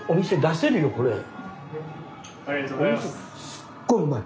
すっごいうまい！